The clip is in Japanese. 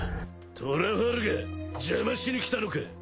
トラファルガー邪魔しに来たのか？